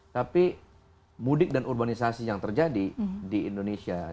tapi mudik dan urbanisasi yang terjadi di indonesia